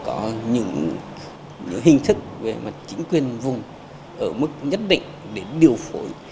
có những hình thức về mà chính quyền vùng ở mức nhất định để điều phổi